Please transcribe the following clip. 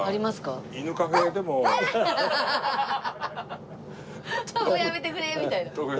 「もうやめてくれ」みたいな。